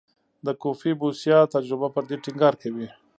د کوفي بوسیا تجربه پر دې ټینګار کوي.